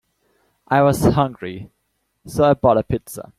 I was hungry, so I bought a pizza.